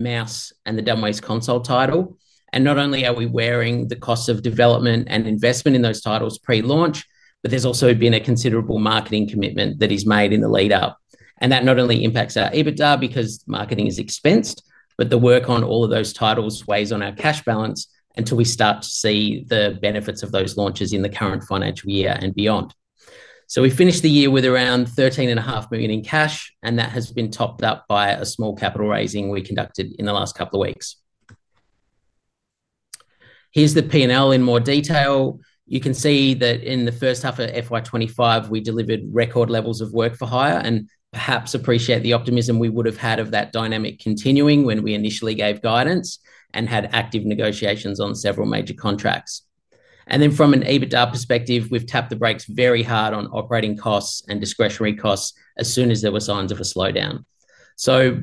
Mass and the demos console title, and not only are we wearing the cost of development and investment in those titles pre-launch, but there's also been a considerable marketing commitment that is made in the lead up. That not only impacts our EBITDA because marketing is expensive, but the work on all of those titles weighs on our cash balance until we start to see the benefits of those launches in the current financial year and beyond. We finished the year with around $13.5 million in cash, and that has been topped up by a small capital raise we conducted in the last couple of weeks. Here's the P&L in more detail. You can see that in the first half of FY 2025, we delivered record levels of work for hire and perhaps appreciate the optimism we would have had of that dynamic continuing when we initially gave guidance and had active negotiations on several major contracts. From an EBITDA perspective, we've tapped the brakes very hard on operating costs and discretionary costs as soon as there were signs of a slowdown.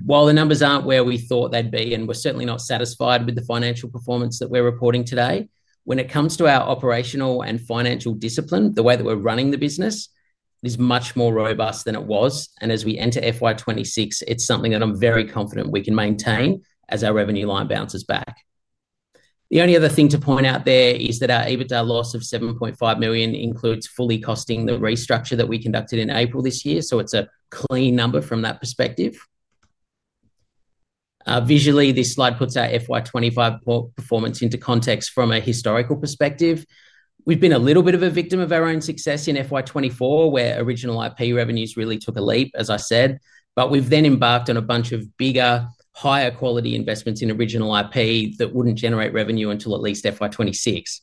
While the numbers aren't where we thought they'd be and we're certainly not satisfied with the financial performance that we're reporting today, when it comes to our operational and financial discipline, the way that we're running the business is much more robust than it was. As we enter FY 2026, it's something that I'm very confident we can maintain as our revenue line bounces back. The only other thing to point out there is that our EBITDA loss of $7.5 million includes fully costing the restructure that we conducted in April this year. It's a clean number from that perspective. Visually, this slide puts our FY 2025 performance into context from a historical perspective. We've been a little bit of a victim of our own success in FY 2024, where original IP revenues really took a leap, as I said, but we've then embarked on a bunch of bigger, higher quality investments in original IP that wouldn't generate revenue until at least FY 2026.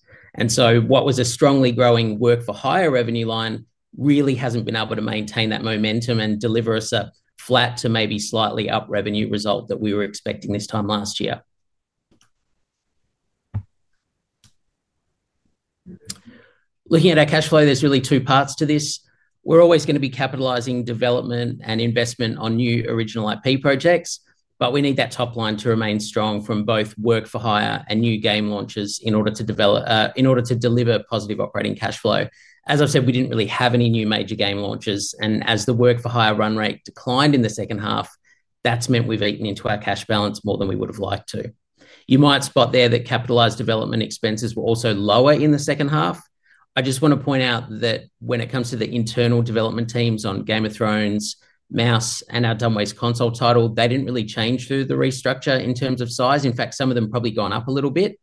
What was a strongly growing work for hire revenue line really hasn't been able to maintain that momentum and deliver us a flat to maybe slightly up revenue result that we were expecting this time last year. Looking at our cash flow, there's really two parts to this. We're always going to be capitalizing development and investment on new original IP projects, but we need that top line to remain strong from both work for hire and new game launches in order to deliver positive operating cash flow. As I've said, we didn't really have any new major game launches, and as the work for hire run rate declined in the second half, that's meant we've eaten into our cash balance more than we would have liked to. You might spot there that capitalized development expenses were also lower in the second half. I just want to point out that when it comes to the internal development teams on Game of Thrones, MOUSE, and our demos console title, they didn't really change through the restructure in terms of size. In fact, some of them probably gone up a little bit.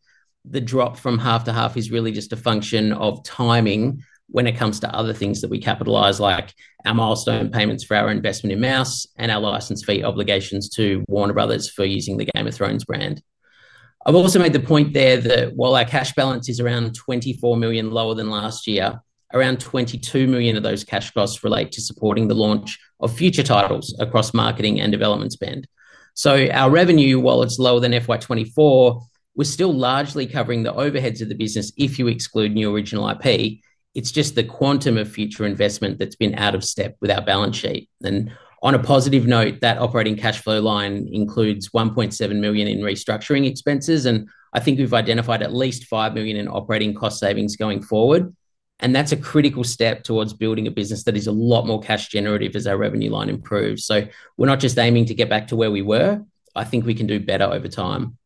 The drop from half to half is really just a function of timing when it comes to other things that we capitalize, like our milestone payments for our investment in MOUSE and our license fee obligations to Warner Bros. for using the Game of Thrones brand. I've also made the point there that while our cash balance is around $24 million lower than last year, around $22 million of those cash costs relate to supporting the launch of future titles across marketing and development spend. Our revenue, while it's lower than FY 2024, we're still largely covering the overheads of the business if you exclude new original IP. It's just the quantum of future investment that's been out of step with our balance sheet. On a positive note, that operating cash flow line includes $1.7 million in restructuring expenses, and I think we've identified at least $5 million in operating cost savings going forward. That's a critical step towards building a business that is a lot more cash generative as our revenue line improves. We're not just aiming to get back to where we were. I think we can do better over time.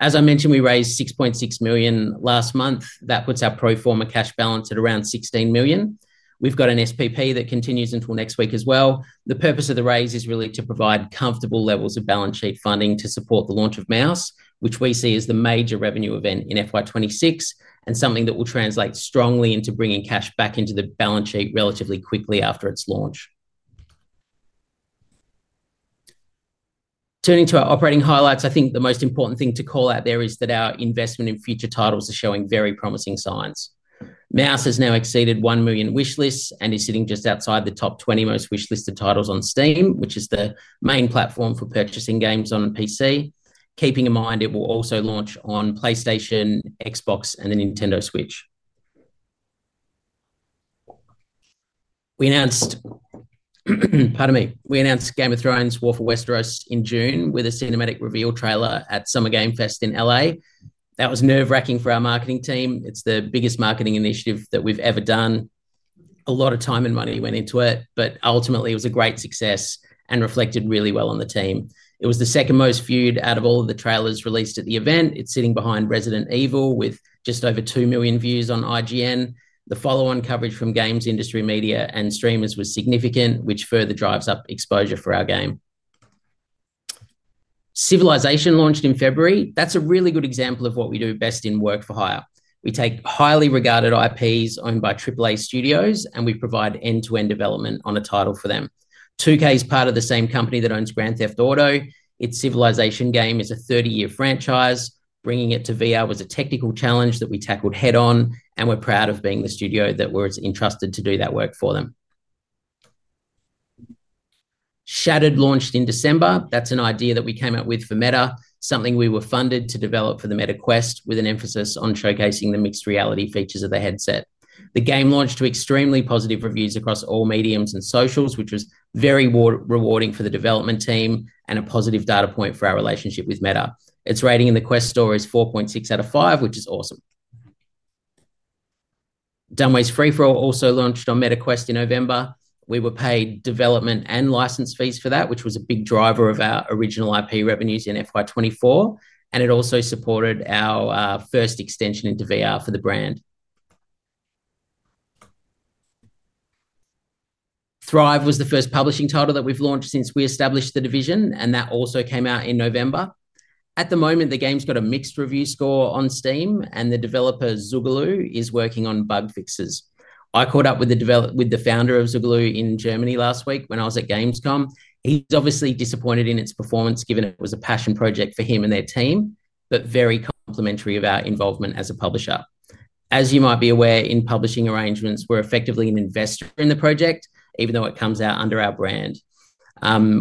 As I mentioned, we raised $6.6 million last month. That puts our pro forma cash balance at around $16 million. We've got an SPP that continues until next week as well. The purpose of the raise is really to provide comfortable levels of balance sheet funding to support the launch of MOUSE, which we see as the major revenue event in FY 2026 and something that will translate strongly into bringing cash back into the balance sheet relatively quickly after its launch. Turning to our operating highlights, I think the most important thing to call out there is that our investment in future titles is showing very promising signs. MOUSE has now exceeded 1 million wish lists and is sitting just outside the top 20 most wish listed titles on Steam, which is the main platform for purchasing games on PC. Keeping in mind, it will also launch on PlayStation, Xbox, and the Nintendo Switch. We announced Game of Thrones: War for Westeros in June with a cinematic reveal trailer at Summer Game Fest in LA. That was nerve-wracking for our marketing team. It's the biggest marketing initiative that we've ever done. A lot of time and money went into it, but ultimately it was a great success and reflected really well on the team. It was the second most viewed out of all of the trailers released at the event. It's sitting behind Resident Evil with just over 2 million views on IGN. The follow-on coverage from games industry media and streamers was significant, which further drives up exposure for our game. Civilization launched in February. That's a really good example of what we do best in work for hire. We take highly regarded IPs owned by AAA studios, and we provide end-to-end development on a title for them. 2K is part of the same company that owns Grand Theft Auto. Its Civilization game is a 30-year franchise. Bringing it to VR was a technical challenge that we tackled head-on, and we're proud of being the studio that was entrusted to do that work for them. Shattered launched in December. That's an idea that we came up with for Meta, something we were funded to develop for the Meta Quest with an emphasis on showcasing the mixed reality features of the headset. The game launched to extremely positive reviews across all mediums and socials, which was very rewarding for the development team and a positive data point for our relationship with Meta. Its rating in the Quest Store is 4.6 out of 5, which is awesome. Dumb Ways: Free For All also launched on Meta Quest in November. We were paid development and license fees for that, which was a big driver of our original IP revenues in FY 2024, and it also supported our first extension into VR for the brand. Thrive was the first publishing title that we've launched since we established the division, and that also came out in November. At the moment, the game's got a mixed review score on Steam, and the developer Zugalu is working on bug fixes. I caught up with the founder of Zugalu in Germany last week when I was at Gamescom. He's obviously disappointed in its performance, given it was a passion project for him and their team, but very complimentary of our involvement as a publisher. As you might be aware, in publishing arrangements, we're effectively an investor in the project, even though it comes out under our brand.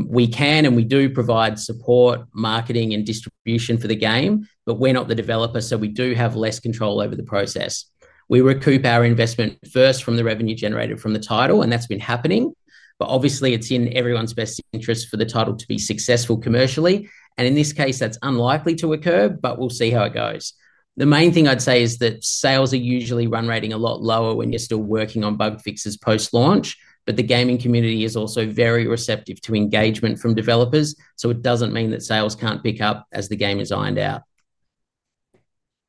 We can and we do provide support, marketing, and distribution for the game, but we're not the developer, so we do have less control over the process. We recoup our investment first from the revenue generated from the title, and that's been happening, but obviously it's in everyone's best interest for the title to be successful commercially. In this case, that's unlikely to occur, but we'll see how it goes. The main thing I'd say is that sales are usually run rating a lot lower when you're still working on bug fixes post-launch, but the gaming community is also very receptive to engagement from developers, so it doesn't mean that sales can't pick up as the game is ironed out.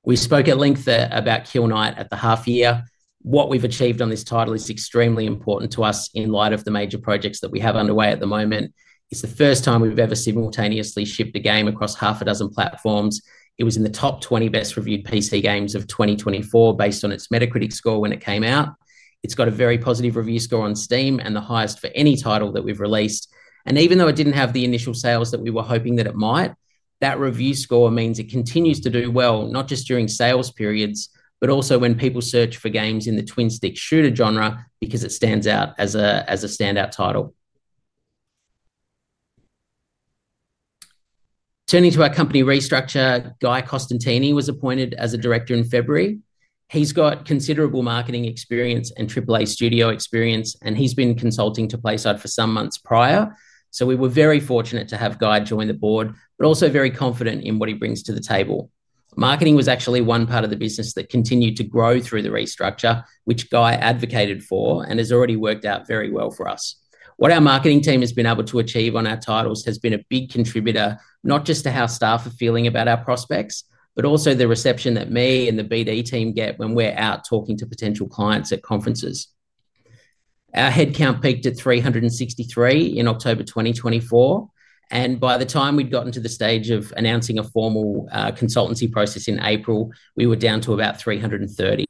We spoke at length about Kill Knight at the half year. What we've achieved on this title is extremely important to us in light of the major projects that we have underway at the moment. It's the first time we've ever simultaneously shipped a game across half a dozen platforms. It was in the top 20 best reviewed PC games of 2024 based on its Metacritic score when it came out. It's got a very positive review score on Steam and the highest for any title that we've released. Even though it didn't have the initial sales that we were hoping that it might, that review score means it continues to do well, not just during sales periods, but also when people search for games in the twin-stick shooter genre because it stands out as a standout title. Turning to our company restructure, Guy Costantini was appointed as a Director in February. He's got considerable marketing experience and AAA studio experience, and he's been consulting to PlaySide for some months prior. We were very fortunate to have Guy join the board, but also very confident in what he brings to the table. Marketing was actually one part of the business that continued to grow through the restructure, which Guy advocated for and has already worked out very well for us. What our marketing team has been able to achieve on our titles has been a big contributor, not just to how staff are feeling about our prospects, but also the reception that me and the BD team get when we're out talking to potential clients at conferences. Our headcount peaked at 363 in October 2024, and by the time we'd gotten to the stage of announcing a formal consultancy process in April, we were down to about 330.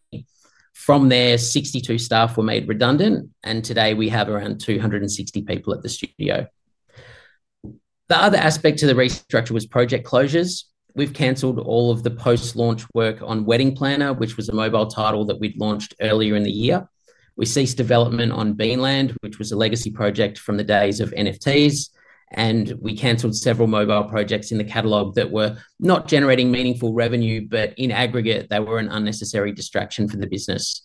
From there, 62 staff were made redundant, and today we have around 260 people at the studio. The other aspect to the restructure was project closures. We've canceled all of the post-launch work on Wedding Planner, which was a mobile title that we'd launched earlier in the year. We ceased development on Bean Land, which was a legacy project from the days of NFTs, and we canceled several mobile projects in the catalog that were not generating meaningful revenue, but in aggregate, they were an unnecessary distraction for the business.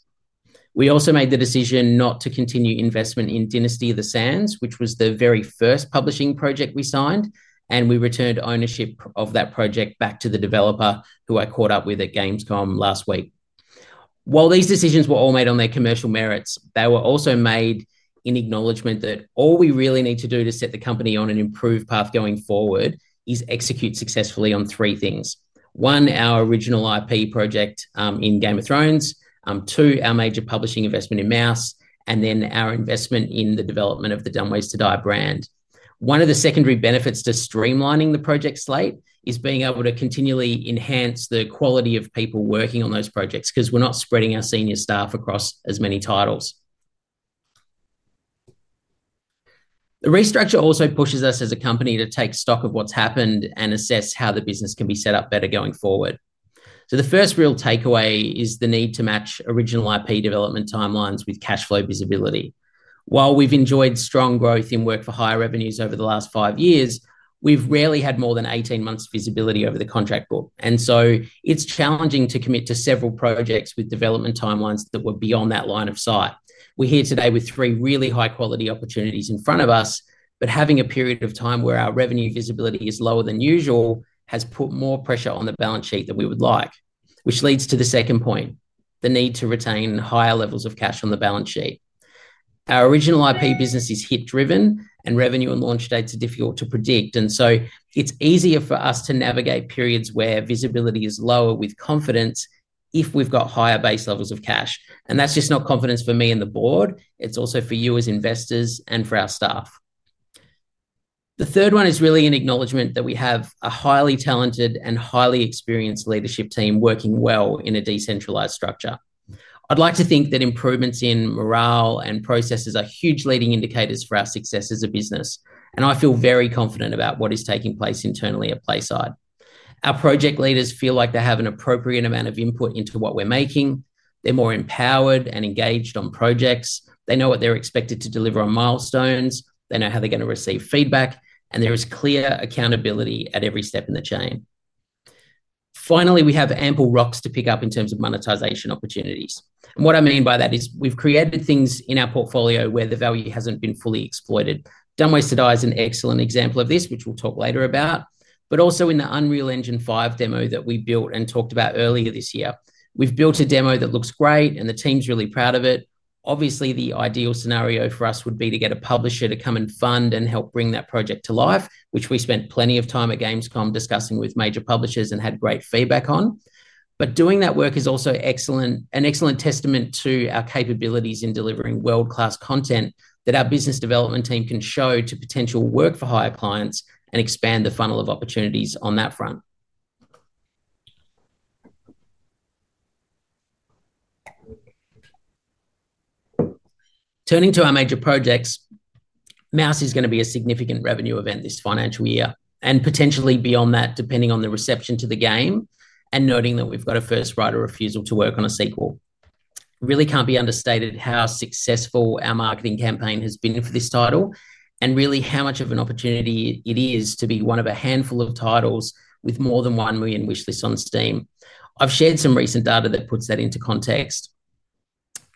We also made the decision not to continue investment in Dynasty of the Sands, which was the very first publishing project we signed, and we returned ownership of that project back to the developer, who I caught up with at Gamescom last week. While these decisions were all made on their commercial merits, they were also made in acknowledgement that all we really need to do to set the company on an improved path going forward is execute successfully on three things. One, our original IP project in Game of Thrones. Two, our major publishing investment in MOUSE. And then our investment in the development of the Dumb Ways to Die brand. One of the secondary benefits to streamlining the project slate is being able to continually enhance the quality of people working on those projects because we're not spreading our senior staff across as many titles. The restructure also pushes us as a company to take stock of what's happened and assess how the business can be set up better going forward. The first real takeaway is the need to match original IP development timelines with cash flow visibility. While we've enjoyed strong growth in work for hire revenues over the last five years, we've rarely had more than 18 months of visibility over the contract book. It's challenging to commit to several projects with development timelines that were beyond that line of sight. We're here today with three really high-quality opportunities in front of us, but having a period of time where our revenue visibility is lower than usual has put more pressure on the balance sheet than we would like, which leads to the second point: the need to retain higher levels of cash on the balance sheet. Our original IP business is IP-driven, and revenue and launch dates are difficult to predict. It's easier for us to navigate periods where visibility is lower with confidence if we've got higher base levels of cash. That's just not confidence for me and the board. It's also for you as investors and for our staff. The third one is really an acknowledgement that we have a highly talented and highly experienced leadership team working well in a decentralized structure. I'd like to think that improvements in morale and processes are huge leading indicators for our success as a business. I feel very confident about what is taking place internally at PlaySide. Our project leaders feel like they have an appropriate amount of input into what we're making. They're more empowered and engaged on projects. They know what they're expected to deliver on milestones. They know how they're going to receive feedback, and there is clear accountability at every step in the chain. Finally, we have ample rocks to pick up in terms of monetization opportunities. What I mean by that is we've created things in our portfolio where the value hasn't been fully exploited. Dumb Ways to Die is an excellent example of this, which we'll talk later about, but also in the Unreal Engine 5 demo that we built and talked about earlier this year. We've built a demo that looks great, and the team's really proud of it. Obviously, the ideal scenario for us would be to get a publisher to come and fund and help bring that project to life, which we spent plenty of time at Gamescom discussing with major publishers and had great feedback on. Doing that work is also an excellent testament to our capabilities in delivering world-class content that our business development team can show to potential work for hire clients and expand the funnel of opportunities on that front. Turning to our major projects, MOUSE is going to be a significant revenue event this financial year and potentially beyond that, depending on the reception to the game and noting that we've got a first right of refusal to work on a sequel. It really can't be understated how successful our marketing campaign has been for this title and really how much of an opportunity it is to be one of a handful of titles with more than 1 million wish lists on Steam. I've shared some recent data that puts that into context.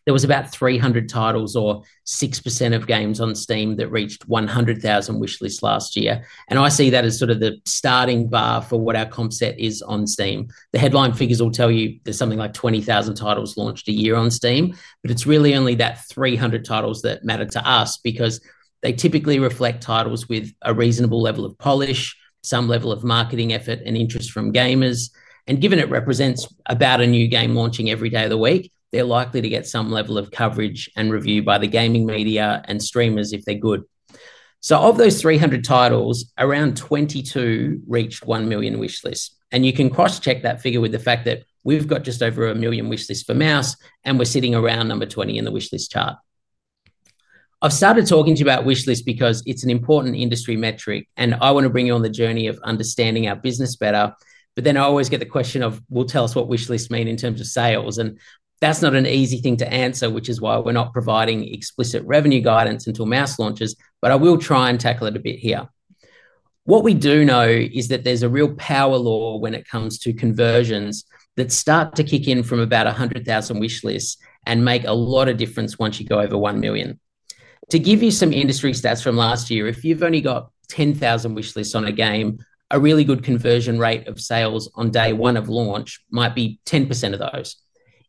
There were about 300 titles or 6% of games on Steam that reached 100,000 wish lists last year. I see that as sort of the starting bar for what our comp set is on Steam. The headline figures will tell you there's something like 20,000 titles launched a year on Steam, but it's really only that 300 titles that matter to us because they typically reflect titles with a reasonable level of polish, some level of marketing effort, and interest from gamers. Given it represents about a new game launching every day of the week, they're likely to get some level of coverage and review by the gaming media and streamers if they're good. Of those 300 titles, around 22 reached 1 million wish lists. You can cross-check that figure with the fact that we've got just over a million wish lists for MOUSE, and we're sitting around number 20 in the wish list chart. I've started talking to you about wish lists because it's an important industry metric, and I want to bring you on the journey of understanding our business better. I always get the question of, tell us what wish lists mean in terms of sales. That's not an easy thing to answer, which is why we're not providing explicit revenue guidance until MOUSE launches, but I will try and tackle it a bit here. What we do know is that there's a real power law when it comes to conversions that start to kick in from about 100,000 wish lists and make a lot of difference once you go over 1 million. To give you some industry stats from last year, if you've only got 10,000 wish lists on a game, a really good conversion rate of sales on day one of launch might be 10% of those.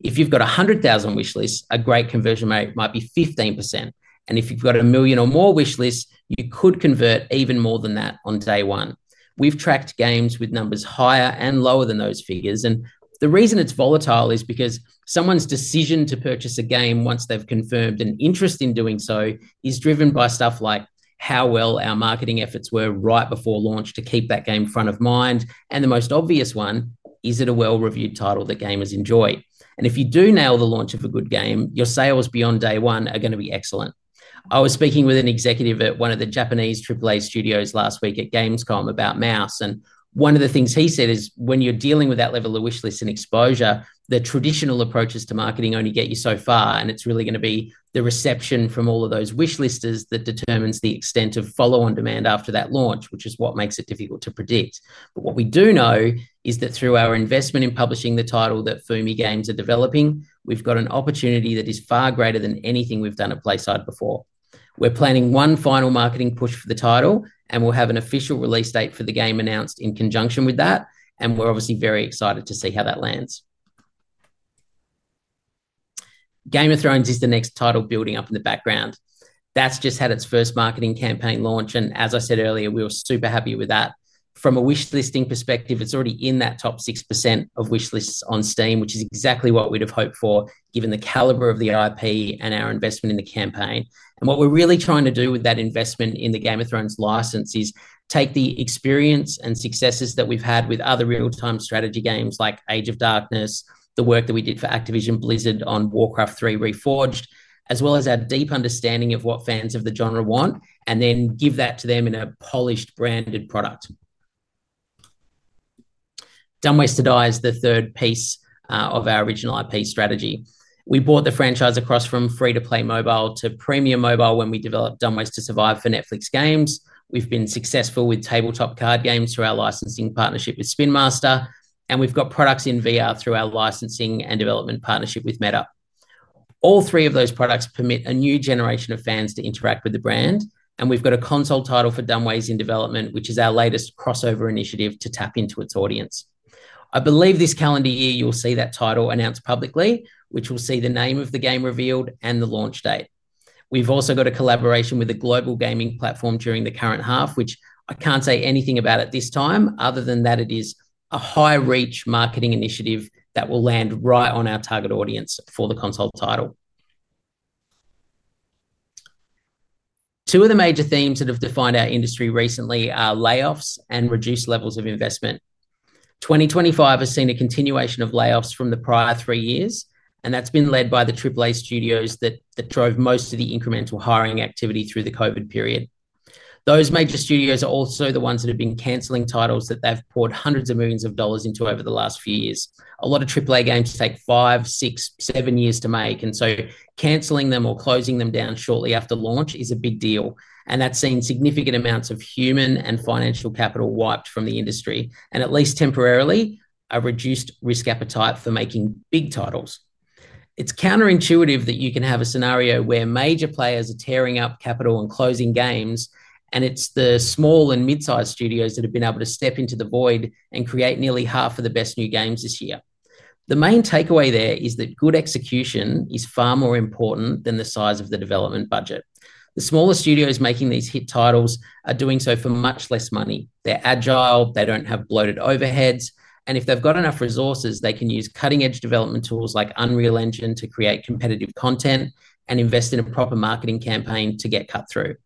If you've got 100,000 wish lists, a great conversion rate might be 15%. If you've got a million or more wish lists, you could convert even more than that on day one. We've tracked games with numbers higher and lower than those figures. The reason it's volatile is because someone's decision to purchase a game once they've confirmed an interest in doing so is driven by stuff like how well our marketing efforts were right before launch to keep that game front of mind. The most obvious one is it a well-reviewed title that gamers enjoy. If you do nail the launch of a good game, your sales beyond day one are going to be excellent. I was speaking with an executive at one of the Japanese AAA studios last week at Gamescom about MOUSE. One of the things he said is when you're dealing with that level of wish lists and exposure, the traditional approaches to marketing only get you so far. It's really going to be the reception from all of those wish lists that determines the extent of follow-on demand after that launch, which is what makes it difficult to predict. What we do know is that through our investment in publishing the title that Fumi Games are developing, we've got an opportunity that is far greater than anything we've done at PlaySide before. We're planning one final marketing push for the title, and we'll have an official release date for the game announced in conjunction with that. We're obviously very excited to see how that lands. Game of Thrones is the next title building up in the background. That's just had its first marketing campaign launch. As I said earlier, we were super happy with that. From a wish listing perspective, it's already in that top 6% of wish lists on Steam, which is exactly what we'd have hoped for, given the caliber of the IP and our investment in the campaign. What we're really trying to do with that investment in the Game of Thrones license is take the experience and successes that we've had with other real-time strategy games like Age of Darkness, the work that we did for Activision Blizzard on Warcraft 3: Reforged, as well as our deep understanding of what fans of the genre want, and then give that to them in a polished, branded product. Dumb Ways to Die is the third piece of our original IP strategy. We brought the franchise across from free-to-play mobile to premium mobile when we developed Dumb Ways to Survive for Netflix Games. We've been successful with tabletop card games through our licensing partnership with Spin Master. We've got products in VR through our licensing and development partnership with Meta. All three of those products permit a new generation of fans to interact with the brand. We've got a console title for Dumb Ways in development, which is our latest crossover initiative to tap into its audience. I believe this calendar year you'll see that title announced publicly, which will see the name of the game revealed and the launch date. We've also got a collaboration with a global gaming platform during the current half, which I can't say anything about at this time, other than that it is a high-reach marketing initiative that will land right on our target audience for the console title. Two of the major themes that have defined our industry recently are layoffs and reduced levels of investment. 2025 has seen a continuation of layoffs from the prior three years, and that's been led by the AAA studios that drove most of the incremental hiring activity through the COVID period. Those major studios are also the ones that have been canceling titles that they've poured hundreds of millions of dollars into over the last few years. A lot of AAA games take five, six, seven years to make, and canceling them or closing them down shortly after launch is a big deal. That's seen significant amounts of human and financial capital wiped from the industry, and at least temporarily, a reduced risk appetite for making big titles. It's counterintuitive that you can have a scenario where major players are tearing up capital and closing games, and it's the small and mid-sized studios that have been able to step into the void and create nearly half of the best new games this year. The main takeaway there is that good execution is far more important than the size of the development budget. The smaller studios making these hit titles are doing so for much less money. They're agile. They don't have bloated overheads. If they've got enough resources, they can use cutting-edge development tools like Unreal Engine to create competitive content and invest in a proper marketing campaign to get cut through.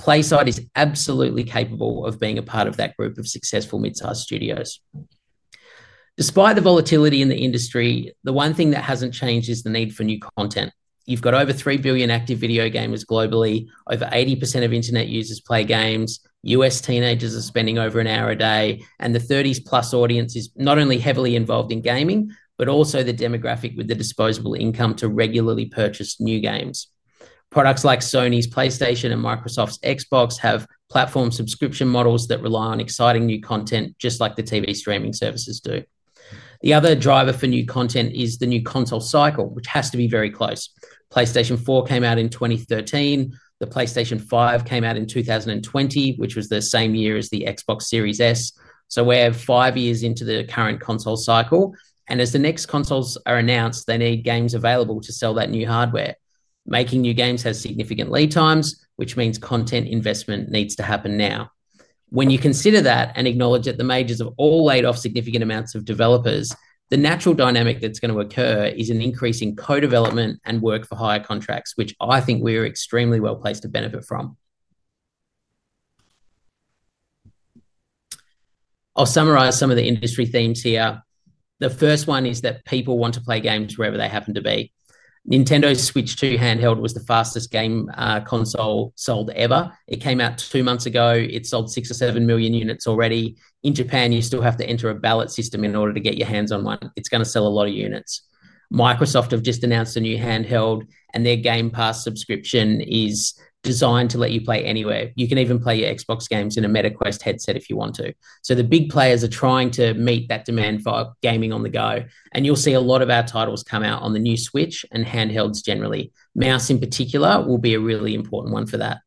PlaySide is absolutely capable of being a part of that group of successful mid-sized studios. Despite the volatility in the industry, the one thing that hasn't changed is the need for new content. You've got over 3 billion active video gamers globally. Over 80% of internet users play games. U.S. teenagers are spending over an hour a day, and the 30+ audience is not only heavily involved in gaming, but also the demographic with the disposable income to regularly purchase new games. Products like Sony's PlayStation and Microsoft's Xbox have platform subscription models that rely on exciting new content, just like the TV streaming services do. The other driver for new content is the new console cycle, which has to be very close. PlayStation 4 came out in 2013. The PlayStation 5 came out in 2020, which was the same year as the Xbox Series S. We're five years into the current console cycle. As the next consoles are announced, they need games available to sell that new hardware. Making new games has significant lead times, which means content investment needs to happen now. When you consider that and acknowledge that the majors have all laid off significant amounts of developers, the natural dynamic that's going to occur is an increase in co-development and work for hire contracts, which I think we're extremely well placed to benefit from. I'll summarize some of the industry themes here. The first one is that people want to play games wherever they happen to be. Nintendo's Switch 2 handheld was the fastest game console sold ever. It came out two months ago. It sold six or seven million units already. In Japan, you still have to enter a ballot system in order to get your hands on one. It's going to sell a lot of units. Microsoft have just announced a new handheld, and their Game Pass subscription is designed to let you play anywhere. You can even play your Xbox games in a Meta Quest headset if you want to. The big players are trying to meet that demand for gaming on the go. You'll see a lot of our titles come out on the new Switch and handhelds generally. MOUSE in particular will be a really important one for that.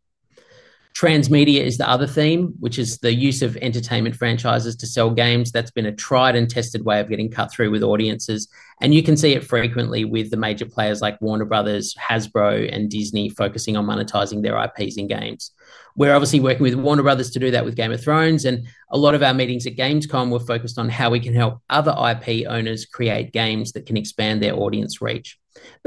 Transmedia is the other theme, which is the use of entertainment franchises to sell games. That's been a tried and tested way of getting cut through with audiences. You can see it frequently with the major players like Warner Bros., Hasbro, and Disney focusing on monetizing their IPs in games. We're obviously working with Warner Bros. to do that with Game of Thrones. A lot of our meetings at Gamescom were focused on how we can help other IP owners create games that can expand their audience reach.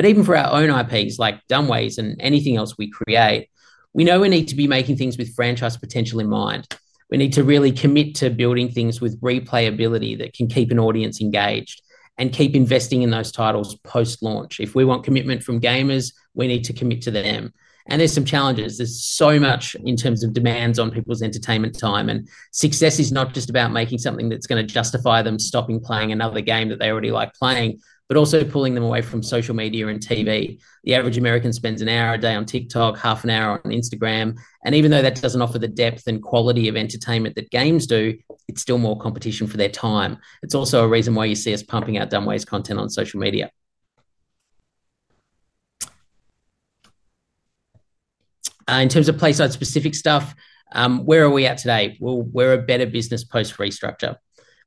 Even for our own IPs, like Dumb Ways and anything else we create, we know we need to be making things with franchise potential in mind. We need to really commit to building things with replayability that can keep an audience engaged and keep investing in those titles post-launch. If we want commitment from gamers, we need to commit to them. There's some challenges. There's so much in terms of demands on people's entertainment time. Success is not just about making something that's going to justify them stopping playing another game that they already like playing, but also pulling them away from social media and TV. The average American spends an hour a day on TikTok, half an hour on Instagram. Even though that doesn't offer the depth and quality of entertainment that games do, it's still more competition for their time. It's also a reason why you see us pumping out Dumb Ways content on social media. In terms of PlaySide specific stuff, where are we at today? We're a better business post-restructure.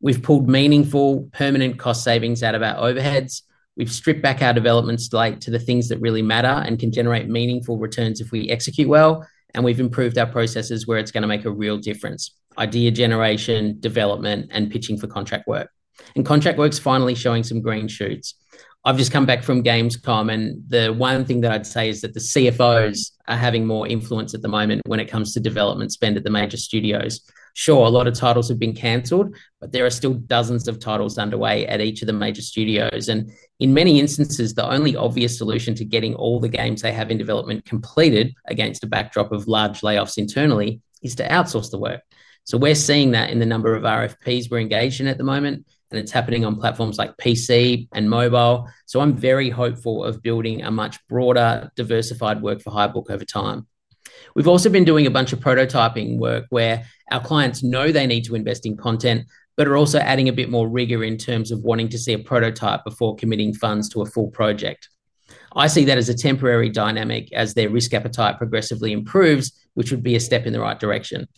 We've pulled meaningful, permanent cost savings out of our overheads. We've stripped back our development slate to the things that really matter and can generate meaningful returns if we execute well. We've improved our processes where it's going to make a real difference: idea generation, development, and pitching for contract work. Contract work's finally showing some green shoots. I've just come back from Gamescom, and the one thing that I'd say is that the CFOs are having more influence at the moment when it comes to development spend at the major studios. A lot of titles have been canceled, but there are still dozens of titles underway at each of the major studios. In many instances, the only obvious solution to getting all the games they have in development completed against a backdrop of large layoffs internally is to outsource the work. We're seeing that in the number of RFPs we're engaged in at the moment, and it's happening on platforms like PC and mobile. I'm very hopeful of building a much broader, diversified work for hire book over time. We've also been doing a bunch of prototyping work where our clients know they need to invest in content, but are also adding a bit more rigor in terms of wanting to see a prototype before committing funds to a full project. I see that as a temporary dynamic as their risk appetite progressively improves, which would be a step in the right direction.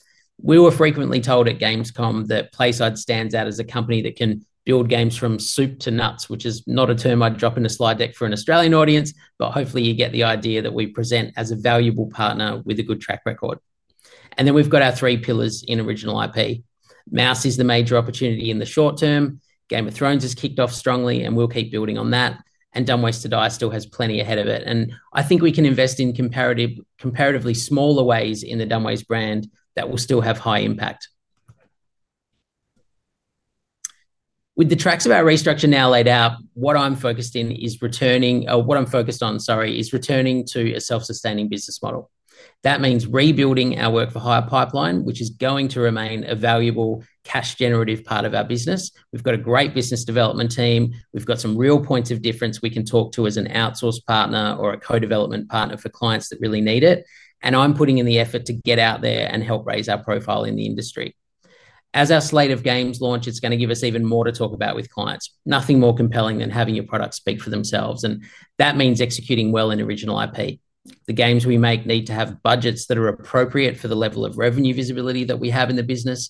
We were frequently told at Gamescom that PlaySide stands out as a company that can build games from soup to nuts, which is not a term I'd drop in the slide deck for an Australian audience, but hopefully you get the idea that we present as a valuable partner with a good track record. We've got our three pillars in original IP. MOUSE is the major opportunity in the short term. Game of Thrones has kicked off strongly, and we'll keep building on that. Dumb Ways to Die still has plenty ahead of it. I think we can invest in comparatively smaller ways in the Dumb Ways brand that will still have high impact. With the tracks of our restructure now laid out, what I'm focused on is returning to a self-sustaining business model. That means rebuilding our work for hire pipeline, which is going to remain a valuable cash-generative part of our business. We've got a great business development team. We've got some real points of difference we can talk to as an outsource partner or a co-development partner for clients that really need it. I'm putting in the effort to get out there and help raise our profile in the industry. As our slate of games launch, it's going to give us even more to talk about with clients. Nothing is more compelling than having your products speak for themselves. That means executing well in original IP. The games we make need to have budgets that are appropriate for the level of revenue visibility that we have in the business.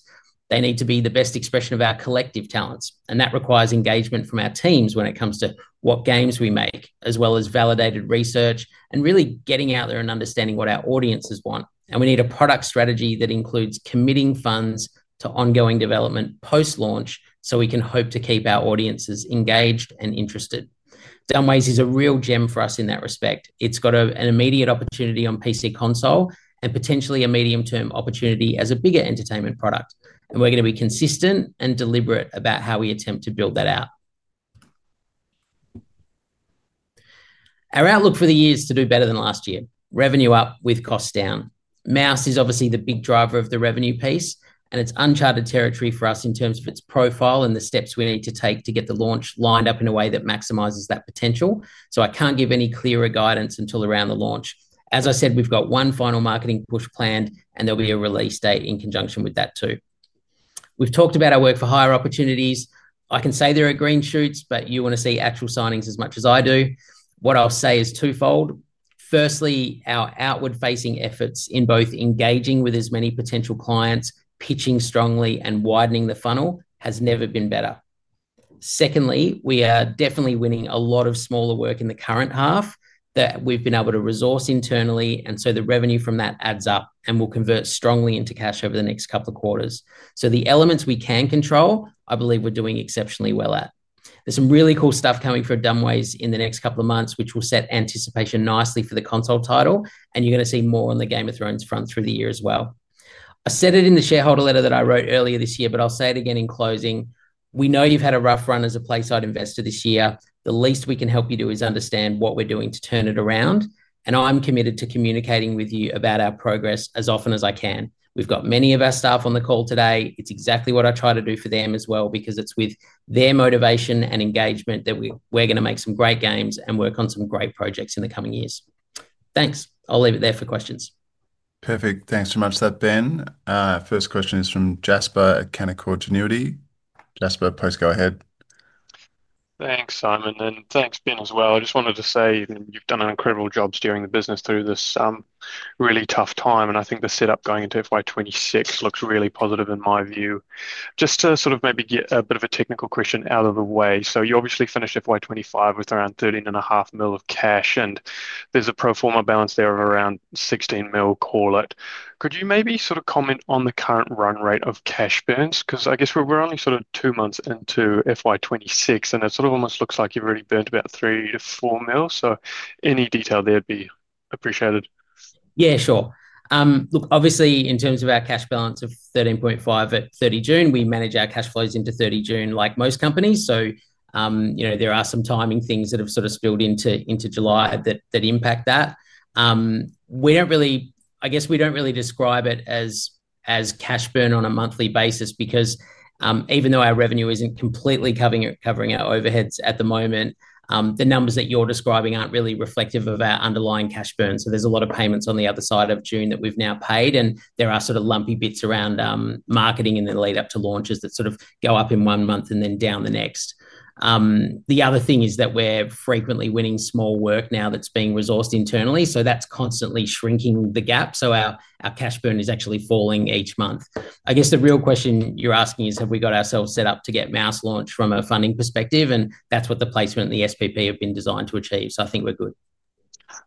They need to be the best expression of our collective talents. That requires engagement from our teams when it comes to what games we make, as well as validated research and really getting out there and understanding what our audiences want. We need a product strategy that includes committing funds to ongoing development post-launch so we can hope to keep our audiences engaged and interested. Dumb Ways is a real gem for us in that respect. It's got an immediate opportunity on PC console and potentially a medium-term opportunity as a bigger entertainment product. We're going to be consistent and deliberate about how we attempt to build that out. Our outlook for the year is to do better than last year. Revenue up with costs down. MOUSE is obviously the big driver of the revenue piece, and it's uncharted territory for us in terms of its profile and the steps we need to take to get the launch lined up in a way that maximizes that potential. I can't give any clearer guidance until around the launch. As I said, we've got one final marketing push planned, and there'll be a release date in conjunction with that too. We've talked about our work for hire opportunities. I can say there are green shoots, but you want to see actual signings as much as I do. What I'll say is twofold. Firstly, our outward-facing efforts in both engaging with as many potential clients, pitching strongly, and widening the funnel has never been better. Secondly, we are definitely winning a lot of smaller work in the current half that we've been able to resource internally. The revenue from that adds up and will convert strongly into cash over the next couple of quarters. The elements we can control, I believe we're doing exceptionally well at. There's some really cool stuff coming for Dumb Ways in the next couple of months, which will set anticipation nicely for the console title. You're going to see more on the Game of Thrones front through the year as well. I said it in the shareholder letter that I wrote earlier this year, but I'll say it again in closing. We know you've had a rough run as a PlaySide investor this year. The least we can help you do is understand what we're doing to turn it around. I'm committed to communicating with you about our progress as often as I can. We've got many of our staff on the call today. It's exactly what I try to do for them as well, because it's with their motivation and engagement that we're going to make some great games and work on some great projects in the coming years. Thanks. I'll leave it there for questions. Perfect. Thanks so much, Benn. First question is from Jasper at Canaccord Genuity. Jasper, please go ahead. Thanks, Simon, and thanks, Benn, as well. I just wanted to say you've done an incredible job steering the business through this really tough time. I think the setup going into FY 2026 looks really positive in my view. Just to maybe get a bit of a technical question out of the way. You obviously finished FY 2025 with around $13.5 million of cash, and there's a pro forma balance there of around $16 million, call it. Could you maybe comment on the current run rate of cash burns? I guess we're only two months into FY 2026, and it almost looks like you've already burned about $3 million-$4 million. Any detail there would be appreciated. Yeah, sure. Look, obviously, in terms of our cash balance of $13.5 million at 30 June, we manage our cash flows into 30 June like most companies. There are some timing things that have sort of spilled into July that impact that. We don't really, I guess we don't really describe it as cash burn on a monthly basis because even though our revenue isn't completely covering our overheads at the moment, the numbers that you're describing aren't really reflective of our underlying cash burn. There are a lot of payments on the other side of June that we've now paid, and there are sort of lumpy bits around marketing in the lead-up to launches that go up in one month and then down the next. The other thing is that we're frequently winning small work now that's being resourced internally. That's constantly shrinking the gap. Our cash burn is actually falling each month. I guess the real question you're asking is, have we got ourselves set up to get MOUSE launched from a funding perspective? That's what the placement and the SPP have been designed to achieve. I think we're good.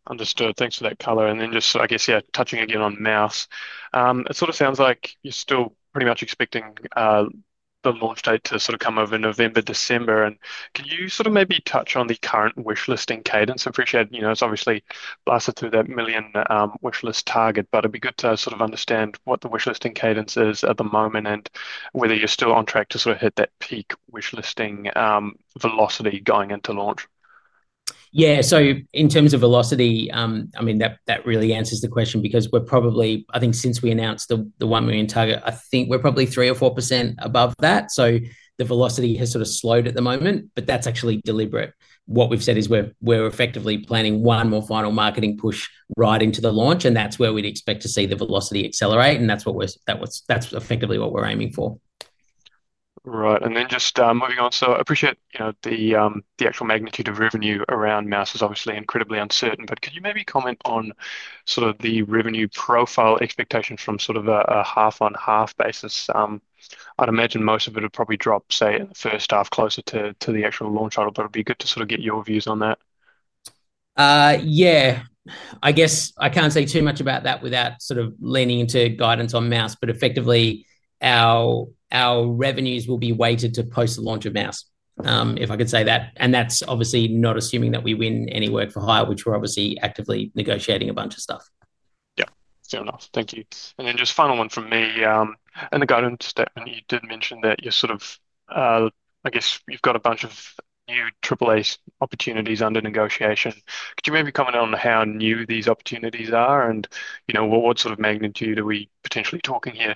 Understood. Thanks for that color. Just, I guess, touching again on MOUSE. It sort of sounds like you're still pretty much expecting the launch date to come over November, December. Can you maybe touch on the current wish listing cadence? I appreciate it's obviously blasted through that million wish list target, but it'd be good to understand what the wish listing cadence is at the moment and whether you're still on track to hit that peak wish listing velocity going into launch. Yeah, in terms of velocity, that really answers the question because we're probably, I think since we announced the $1 million target, I think we're probably 3 or 4% above that. The velocity has sort of slowed at the moment, but that's actually deliberate. What we've said is we're effectively planning one more final marketing push right into the launch, and that's where we'd expect to see the velocity accelerate. That's effectively what we're aiming for. Right. I appreciate the actual magnitude of revenue around MOUSE is obviously incredibly uncertain, but could you maybe comment on sort of the revenue profile expectation from sort of a half-on-half basis? I'd imagine most of it would probably drop, say, first half closer to the actual launch title, but it'd be good to sort of get your views on that. I guess I can't say too much about that without sort of leaning into guidance on MOUSE, but effectively our revenues will be weighted to post the launch of MOUSE, if I could say that. That's obviously not assuming that we win any work for hire, which we're obviously actively negotiating a bunch of stuff. Yeah, fair enough. Thank you. Just final one from me. In the guidance statement, you did mention that you're sort of, I guess you've got a bunch of new AAA opportunities under negotiation. Could you maybe comment on how new these opportunities are and what sort of magnitude are we potentially talking here?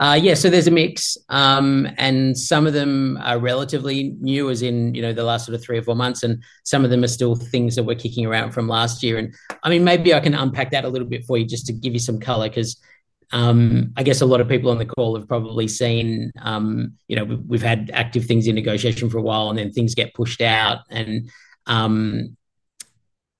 Yeah, so there's a mix, and some of them are relatively new, as in the last sort of three or four months, and some of them are still things that we're kicking around from last year. Maybe I can unpack that a little bit for you just to give you some color, because I guess a lot of people on the call have probably seen, you know, we've had active things in negotiation for a while, and then things get pushed out.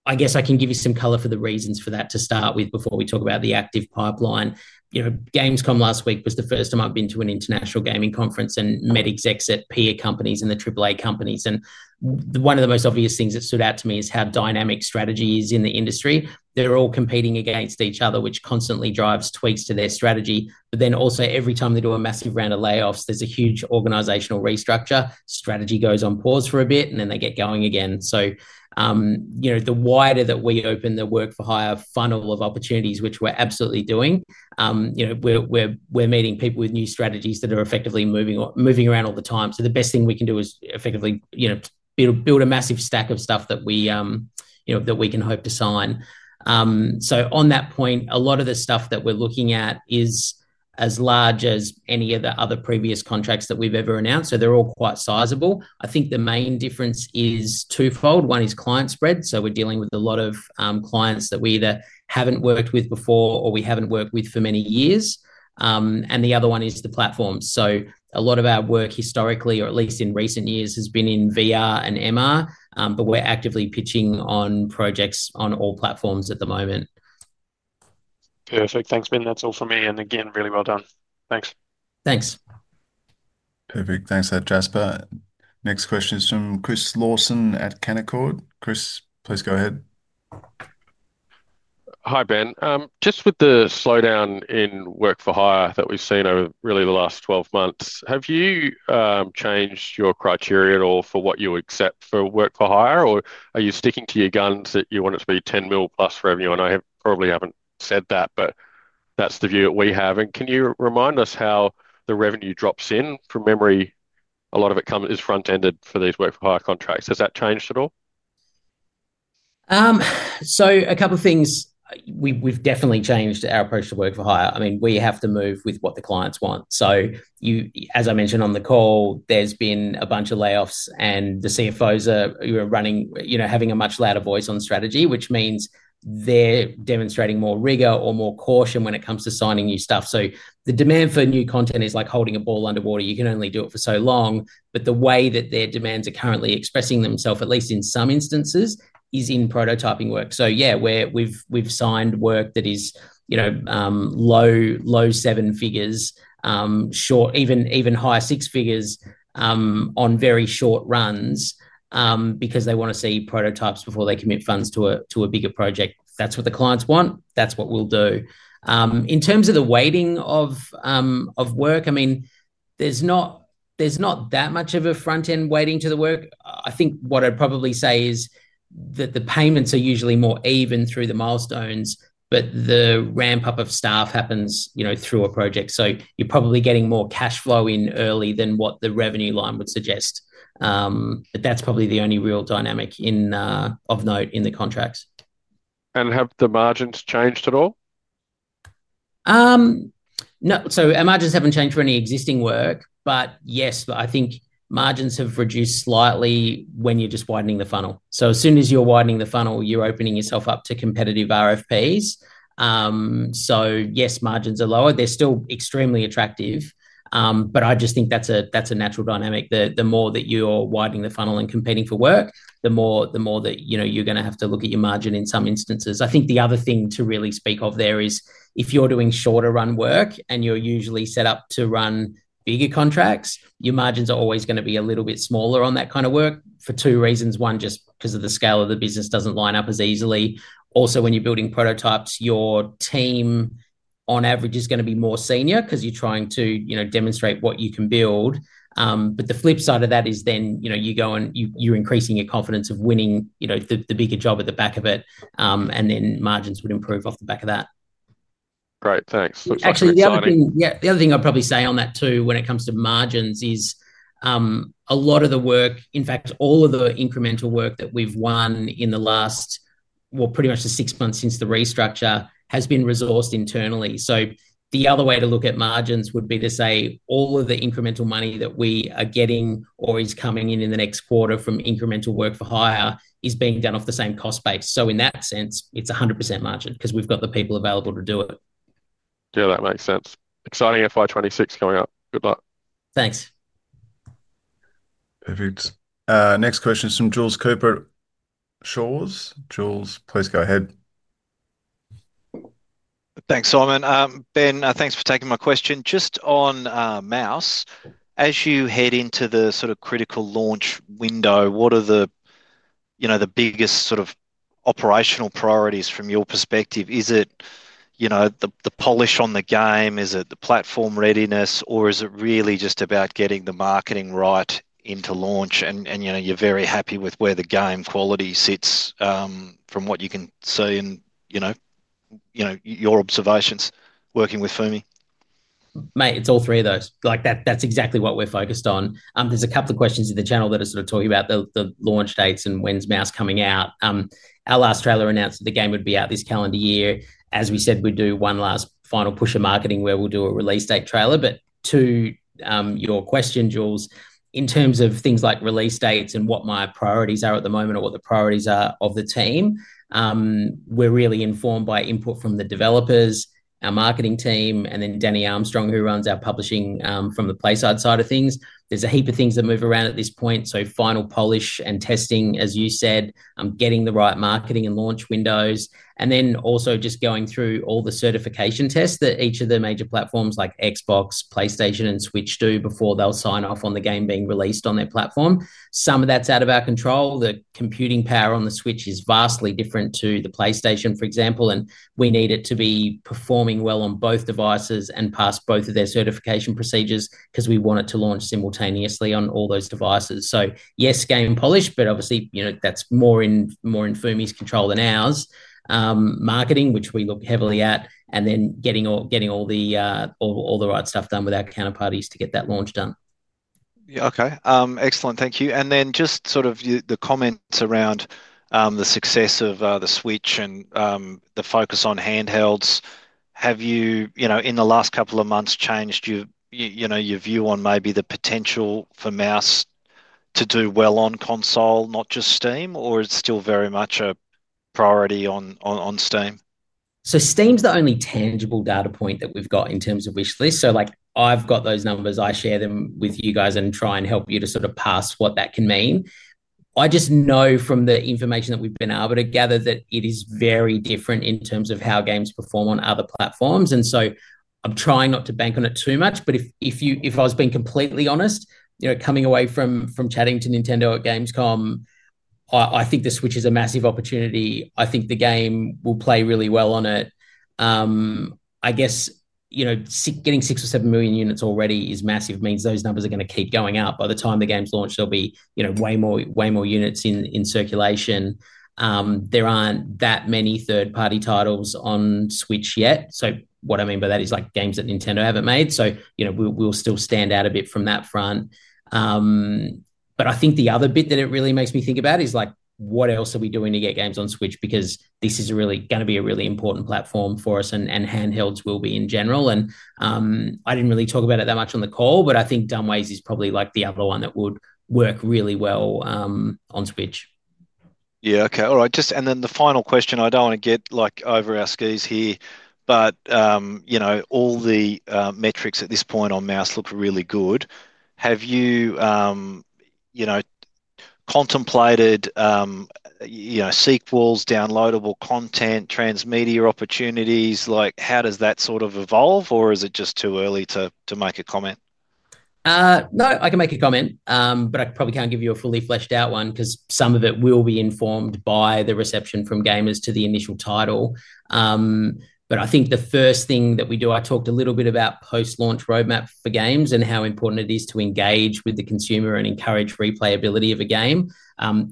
I can give you some color for the reasons for that to start with before we talk about the active pipeline. Gamescom last week was the first time I've been to an international gaming conference and met execs at peer companies and the AAA companies. One of the most obvious things that stood out to me is how dynamic strategy is in the industry. They're all competing against each other, which constantly drives tweaks to their strategy. Every time they do a massive round of layoffs, there's a huge organizational restructure. Strategy goes on pause for a bit, and then they get going again. The wider that we open the work for hire funnel of opportunities, which we're absolutely doing, we're meeting people with new strategies that are effectively moving around all the time. The best thing we can do is effectively build a massive stack of stuff that we can hope to sign. On that point, a lot of the stuff that we're looking at is as large as any of the other previous contracts that we've ever announced. They're all quite sizable. I think the main difference is twofold. One is client spread. We're dealing with a lot of clients that we either haven't worked with before or we haven't worked with for many years. The other one is the platform. A lot of our work historically, or at least in recent years, has been in VR and MR, but we're actively pitching on projects on all platforms at the moment. Perfect. Thanks, Benn. That's all for me. Again, really well done. Thanks. Thanks. Perfect. Thanks for that, Jasper. Next question is from Chris Lawson at Canaccord. Chris, please go ahead. Hi, Benn. Just with the slowdown in work for hire that we've seen over really the last 12 months, have you changed your criteria at all for what you accept for work for hire, or are you sticking to your guns that you want it to be $10 million plus revenue? I probably haven't said that, but that's the view that we have. Can you remind us how the revenue drops in? From memory, a lot of it comes as front-ended for these work for hire contracts. Has that changed at all? A couple of things. We've definitely changed our approach to work for hire. I mean, we have to move with what the clients want. As I mentioned on the call, there's been a bunch of layoffs, and the CFOs are running, you know, having a much louder voice on strategy, which means they're demonstrating more rigor or more caution when it comes to signing new stuff. The demand for new content is like holding a ball underwater. You can only do it for so long. The way that their demands are currently expressing themselves, at least in some instances, is in prototyping work. We've signed work that is, you know, low seven figures, short, even higher six figures on very short runs because they want to see prototypes before they commit funds to a bigger project. That's what the clients want. That's what we'll do. In terms of the waiting of work, there's not that much of a front-end waiting to the work. I think what I'd probably say is that the payments are usually more even through the milestones, but the ramp-up of staff happens, you know, through a project. You're probably getting more cash flow in early than what the revenue line would suggest. That's probably the only real dynamic of note in the contracts. Have the margins changed at all? No, margins haven't changed for any existing work, but yes, I think margins have reduced slightly when you're just widening the funnel. As soon as you're widening the funnel, you're opening yourself up to competitive RFPs. Yes, margins are lower. They're still extremely attractive, but I just think that's a natural dynamic. The more that you are widening the funnel and competing for work, the more that you're going to have to look at your margin in some instances. I think the other thing to really speak of there is if you're doing shorter run work and you're usually set up to run bigger contracts, your margins are always going to be a little bit smaller on that kind of work for two reasons. One, just because the scale of the business doesn't line up as easily. Also, when you're building prototypes, your team on average is going to be more senior because you're trying to demonstrate what you can build. The flip side of that is then you're increasing your confidence of winning the bigger job at the back of it, and then margins would improve off the back of that. Great, thanks. Actually, the other thing I'd probably say on that too when it comes to margins is a lot of the work, in fact, all of the incremental work that we've won in the last, pretty much the six months since the restructure, has been resourced internally. The other way to look at margins would be to say all of the incremental money that we are getting or is coming in in the next quarter from incremental work for hire is being done off the same cost base. In that sense, it's 100% margin because we've got the people available to do it. Yeah, that makes sense. Exciting FY 2026 coming up. Good luck. Thanks. Perfect. Next question is from Jules Cooper, Shaw. Jules, please go ahead. Thanks, Simon. Benn, thanks for taking my question. Just on MOUSE, as you head into the sort of critical launch window, what are the biggest sort of operational priorities from your perspective? Is it the polish on the game? Is it the platform readiness, or is it really just about getting the marketing right into launch? You're very happy with where the game quality sits from what you can see and your observations working with Fumi. Mate, it's all three of those. That's exactly what we're focused on. There's a couple of questions in the channel that are sort of talking about the launch dates and when's MOUSE coming out. Our last trailer announced that the game would be out this calendar year. As we said, we do one last final push of marketing where we'll do a release date trailer. To your question, Jules, in terms of things like release dates and what my priorities are at the moment or what the priorities are of the team, we're really informed by input from the developers, our marketing team, and then Danny Armstrong, who runs our publishing from the PlaySide side of things. There's a heap of things that move around at this point. Final polish and testing, as you said, getting the right marketing and launch windows, and then also just going through all the certification tests that each of the major platforms like Xbox, PlayStation, and Switch do before they'll sign off on the game being released on their platform. Some of that's out of our control. The computing power on the Switch is vastly different to the PlayStation, for example, and we need it to be performing well on both devices and pass both of their certification procedures because we want it to launch simultaneously on all those devices. Yes, game polish, but obviously, that's more in Fumi's control than ours. Marketing, which we look heavily at, and then getting all the right stuff done with our counterparties to get that launch done. OK. Excellent. Thank you. Just the comments around the success of the Switch and the focus on handhelds. Have you, in the last couple of months, changed your view on maybe the potential for MOUSE to do well on console, not just Steam, or is it still very much a priority on Steam? Steam's the only tangible data point that we've got in terms of wish lists. I've got those numbers. I share them with you guys and try and help you to sort of parse what that can mean. I just know from the information that we've been able to gather that it is very different in terms of how games perform on other platforms. I'm trying not to bank on it too much. If I was being completely honest, coming away from chatting to Nintendo at Gamescom, I think the Switch is a massive opportunity. I think the game will play really well on it. I guess getting six or seven million units already is massive. It means those numbers are going to keep going up. By the time the game's launched, there will be way more units in circulation. There aren't that many third-party titles on Switch yet. What I mean by that is games that Nintendo haven't made. We'll still stand out a bit from that front. The other bit that it really makes me think about is what else are we doing to get games on Switch, because this is really going to be a really important platform for us, and handhelds will be in general. I didn't really talk about it that much on the call, but I think Dumb Ways is probably the other one that would work really well on Switch. OK. All right. Just, and then the final question, I don't want to get over our skis here, but you know, all the metrics at this point on MOUSE look really good. Have you contemplated sequels, downloadable content, transmedia opportunities? Like how does that sort of evolve, or is it just too early to make a comment? No, I can make a comment, but I probably can't give you a fully fleshed out one because some of it will be informed by the reception from gamers to the initial title. I think the first thing that we do, I talked a little bit about post-launch roadmap for games and how important it is to engage with the consumer and encourage replayability of a game.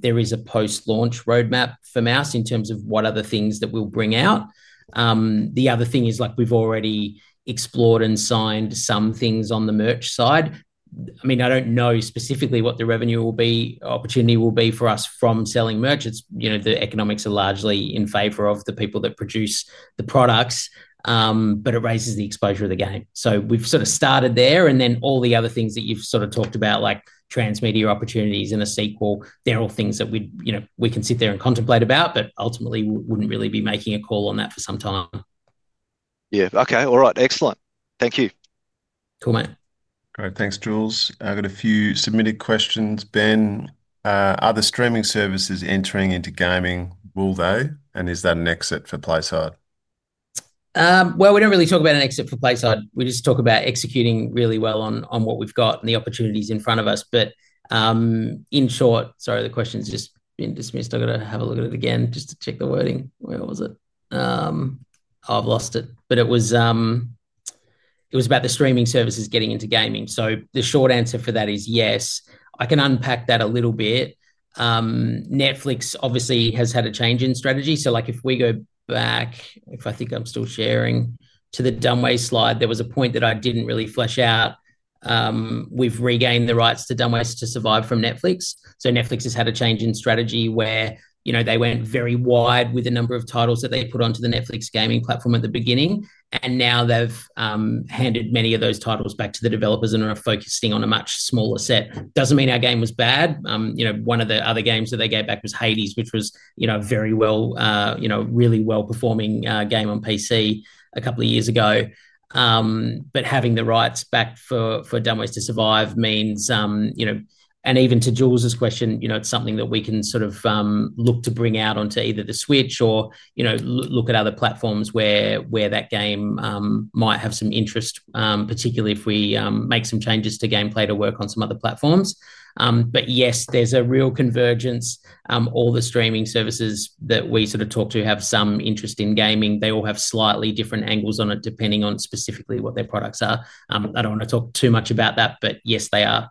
There is a post-launch roadmap for MOUSE in terms of what other things that we'll bring out. The other thing is we've already explored and signed some things on the merch side. I don't know specifically what the revenue opportunity will be for us from selling merch. The economics are largely in favor of the people that produce the products, but it raises the exposure of the game. We've started there, and all the other things that you've talked about, like transmedia opportunities and a sequel, they're all things that we can sit there and contemplate about, but ultimately we wouldn't really be making a call on that for some time. Yeah, OK. All right. Excellent. Thank you. Cool, man. All right. Thanks, Jules. I've got a few submitted questions. Benn, are the streaming services entering into gaming? Will they? Is that an exit for PlaySide? We don't really talk about an exit for PlaySide. We just talk about executing really well on what we've got and the opportunities in front of us. In short, sorry, the question's just been dismissed. I've got to have a look at it again just to check the wording. Where was it? Oh, I've lost it. It was about the streaming services getting into gaming. The short answer for that is yes. I can unpack that a little bit. Netflix obviously has had a change in strategy. If we go back, if I think I'm still sharing, to the Dumb Ways slide, there was a point that I didn't really flesh out. We've regained the rights to Dumb Ways to Survive from Netflix. Netflix has had a change in strategy where they went very wide with a number of titles that they put onto the Netflix Games platform at the beginning. Now they've handed many of those titles back to the developers and are focusing on a much smaller set. It doesn't mean our game was bad. One of the other games that they gave back was Hades, which was a really well-performing game on PC a couple of years ago. Having the rights back for Dumb Ways to Survive means, and even to Jules's question, it's something that we can sort of look to bring out onto either the Switch or look at other platforms where that game might have some interest, particularly if we make some changes to gameplay to work on some other platforms. Yes, there's a real convergence. All the streaming services that we sort of talk to have some interest in gaming. They all have slightly different angles on it depending on specifically what their products are. I don't want to talk too much about that, but yes, they are.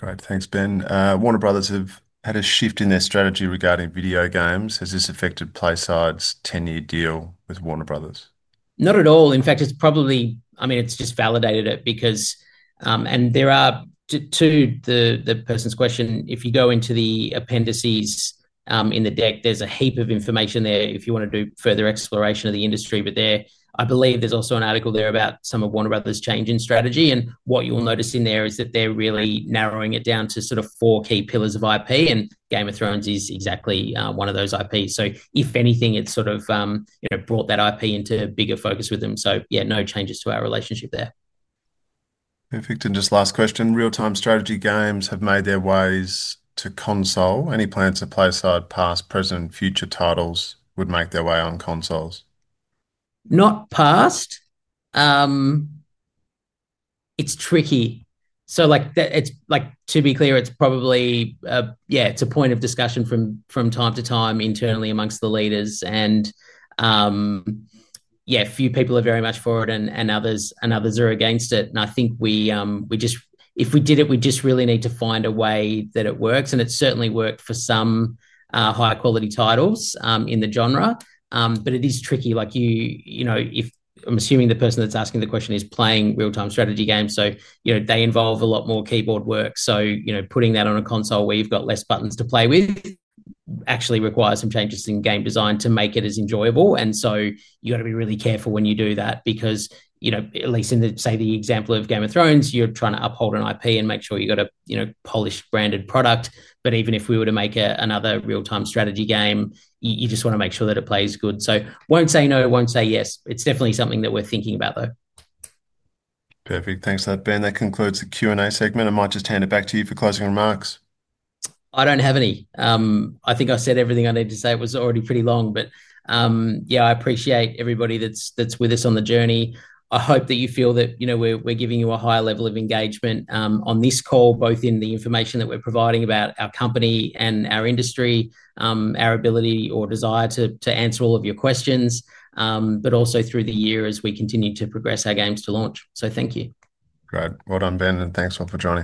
Great. Thanks, Benn. Warner Bros. have had a shift in their strategy regarding video games. Has this affected PlaySide's 10-year deal with Warner Bros.? Not at all. In fact, it's probably, I mean, it's just validated it because, and to the person's question, if you go into the appendices in the deck, there's a heap of information there if you want to do further exploration of the industry. I believe there's also an article there about some of Warner Bros.' change in strategy. What you'll notice in there is that they're really narrowing it down to sort of four key pillars of IP, and Game of Thrones is exactly one of those IPs. If anything, it's sort of brought that IP into bigger focus with them. Yeah, no changes to our relationship there. Perfect. Just last question. Real-time strategy games have made their ways to console. Any plans to PlaySide past, present, and future titles would make their way on consoles? It's tricky. To be clear, it's probably a point of discussion from time to time internally amongst the leaders. A few people are very much for it and others are against it. I think if we did it, we just really need to find a way that it works. It's certainly worked for some higher quality titles in the genre. It is tricky. I'm assuming the person that's asking the question is playing real-time strategy games. They involve a lot more keyboard work. Putting that on a console where you've got less buttons to play with actually requires some changes in game design to make it as enjoyable. You have to be really careful when you do that because, at least in the example of Game of Thrones, you're trying to uphold an IP and make sure you've got a polished branded product. Even if we were to make another real-time strategy game, you just want to make sure that it plays good. Won't say no, won't say yes. It's definitely something that we're thinking about, though. Perfect. Thanks for that, Benn. That concludes the Q&A segment. I might just hand it back to you for closing remarks. I don't have any. I think I said everything I needed to say. It was already pretty long. I appreciate everybody that's with us on the journey. I hope that you feel that we're giving you a higher level of engagement on this call, both in the information that we're providing about our company and our industry, our ability or desire to answer all of your questions, but also through the year as we continue to progress our games to launch. Thank you. Great. Well done, Benn. Thanks for joining.